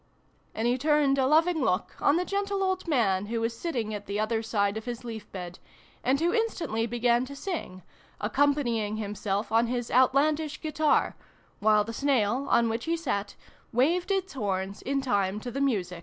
And he turned a loving look on the gentle old man who was sitting at the other side of his leaf bed, and who instantly began to sing, accompanying himself on his Outlandish guitar, while the snail, on which he sat, waved its horns in time to the music.